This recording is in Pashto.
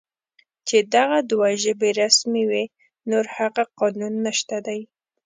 چې دغه دوه ژبې رسمي وې، نور هغه قانون نشته دی